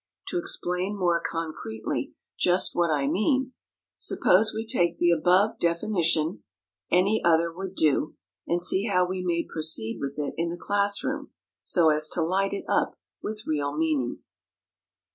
To explain more concretely just what I mean, suppose we take the above definition (any other would do), and see how we may proceed with it in the class room so as to light it up with real meaning.